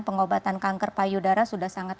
pengobatan kanker payudara sudah sangat